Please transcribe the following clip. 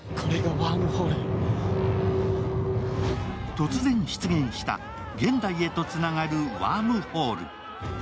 突然出現した現代へとつながるワームホール。